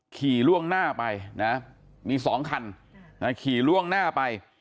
ขี่ล่วงหน้าไปนะมีสองคันนะขี่ล่วงหน้าไป